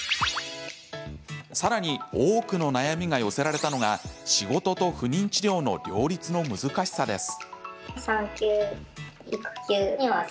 さらに多くの悩みが寄せられたのが仕事と不妊治療の両立の難しさです。